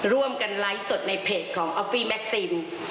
ร่วมกันไลฟ์สดในเพจของออฟฟี่แม็กซิน